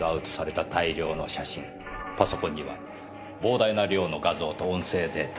パソコンには膨大な量の画像と音声データ。